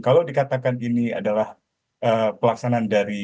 kalau dikatakan ini adalah pelaksanaan dari